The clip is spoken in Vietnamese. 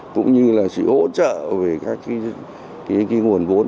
cũng như là sự hỗ trợ về các cái nguồn vốn